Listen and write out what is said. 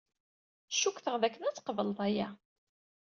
Cukkteɣ dakken ad tqebleḍ aya.